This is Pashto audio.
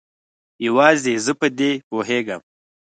یوازې زه په دې پوهیږم